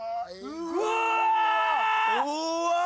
うわ！